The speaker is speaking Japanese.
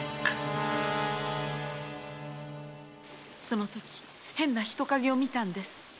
その時変な人影を見たんです。